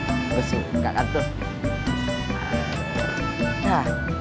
aku suka aku suka